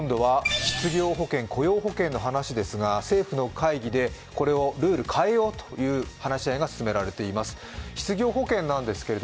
そして今度は失業保険、雇用保険の話ですが政府の会議でこれをルールを変えようという話し合いが進められています。